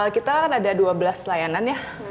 kita kan ada dua belas layanan ya